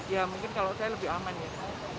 ya mungkin kalau saya lebih aman ya